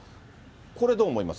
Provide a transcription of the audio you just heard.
これ、どう思います？